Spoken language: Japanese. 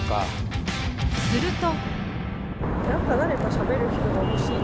すると。